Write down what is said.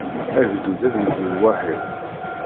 Agdud ad yeddu lwaḥid.